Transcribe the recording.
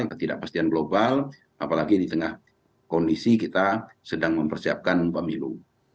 ketidakpastian global apalagi di tengah kondisi kita sedang mempersiapkan pemilu